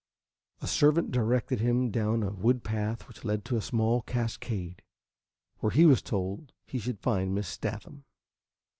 A servant directed him down a wood path which led to a small cascade, where he was told he should find Miss Sathman.